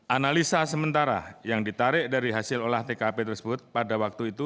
analisa sementara yang ditarik dari hasil olah tkp tersebut pada waktu itu